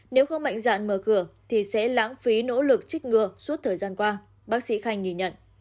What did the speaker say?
nếu không mạnh dạn mở cửa thì sẽ lãng phí nỗ lực trích ngừa suốt thời gian qua bác sĩ khanh nhìn nhận